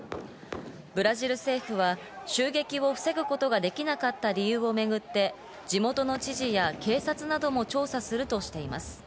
ブラジル政府は襲撃を防ぐことができなかった理由をめぐって、地元の知事や警察なども調査するとしています。